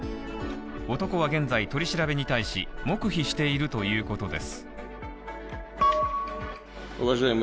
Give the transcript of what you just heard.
男は現在取り調べに対し、黙秘しているということです。